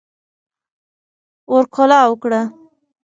ور کولاو کړه